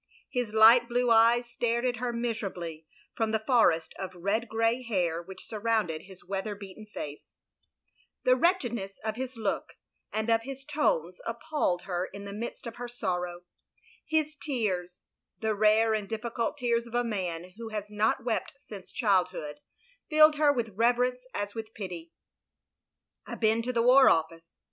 His light blue eyes stared at her miserably from the forest of red grey hair which surrounded his weather beaten face; the wretchedness of his THE LONELY LADY 303 look and of his tones appalled her in the midst of her sorrow; his tears — ^the rare and difficnilt tears of a man who has not wept since childhood, filled her with reverence as with pity. "I been to the War Office.